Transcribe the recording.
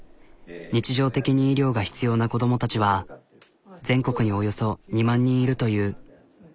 日常的に医療が必要な子供たちは全国におよそ２万人いるという。